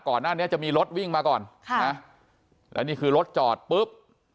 ก่อนหน้านี้จะมีรถวิ่งมาก่อนค่ะนะแล้วนี่คือรถจอดปุ๊บ